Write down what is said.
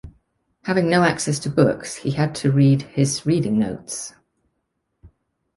Having no access to books, he had to read his reading notes.